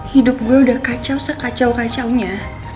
hidup gue udah kacau sekacau kacaunya